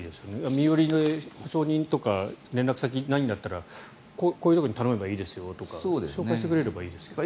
身寄りがないとか保証人とか連絡先とかないんだったらこういうところに頼めばいいですよとか紹介してくれればいいですけどね。